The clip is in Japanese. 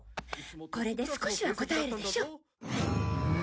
これで少しはこたえるでしょ。